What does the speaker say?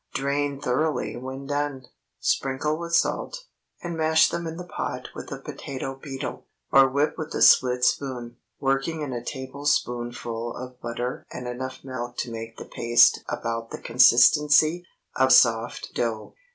Drain thoroughly when done, sprinkle with salt, and mash them in the pot with a potato beetle, or whip with a split spoon, working in a tablespoonful of butter and enough milk to make the paste about the consistency of soft dough.